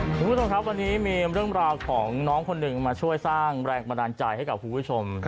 คุณผู้ชมครับวันนี้มีเรื่องราวของน้องคนหนึ่งมาช่วยสร้างแรงบันดาลใจให้กับคุณผู้ชม